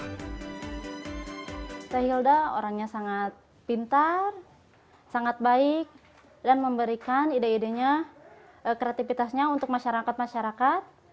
saya hilda orangnya sangat pintar sangat baik dan memberikan ide idenya kreatifitasnya untuk masyarakat masyarakat